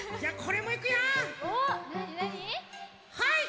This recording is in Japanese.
はい！